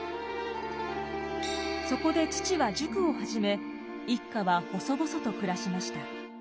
そこで父は塾を始め一家は細々と暮らしました。